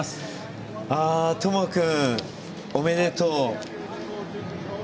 智亜君、おめでとう。